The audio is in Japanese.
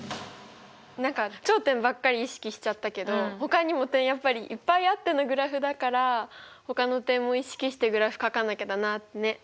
何か頂点ばっかり意識しちゃったけどほかにも点いっぱいあってのグラフだからほかの点も意識してグラフかかなきゃだなってね思った。